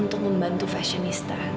untuk membuatku fashionista